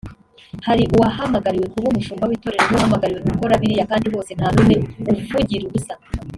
hari uwahamagariwe kuba umushumba w’itorero n’uwahamagariwe gukora biriya kandi bose nta n’umwe uvugira ubusa”